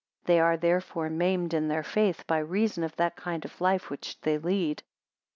They are therefore maimed in their faith, by reason of that kind of life which they lead.